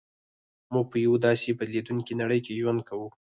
موږ په یوه داسې بدلېدونکې نړۍ کې ژوند کوو